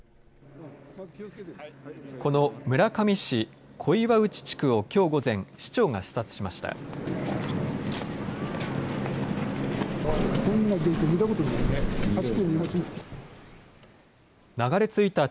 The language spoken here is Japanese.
この村上市小岩内地区をきょう午前、市長が視察しました。